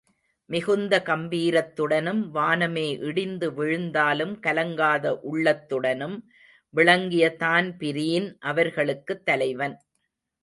மிகுந்த கம்பீரத்துடனும் வானமே இடிந்து விழுந்தாலும் கலங்காத உள்ளத்துடனும் விளங்கிய தான்பீரின் அவர்களுக்குத் தலைவன்.